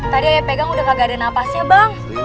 tadi ayah pegang udah kagak ada napasnya bang